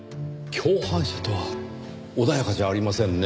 共犯者とは穏やかじゃありませんねぇ。